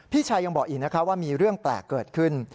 พี่ชายยังบอกอีกนะคะว่ามีเรื่องแปลกเกิดขึ้น